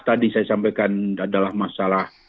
tadi saya sampaikan adalah masalah